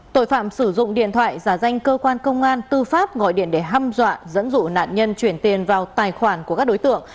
tội phạm sử dụng điện thoại giả danh cơ quan công an tư pháp gọi điện để hâm dọa dẫn dụ nạn nhân chuyển tiền vào tài khoản của các đối tượng